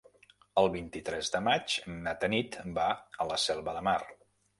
El vint-i-tres de maig na Tanit va a la Selva de Mar.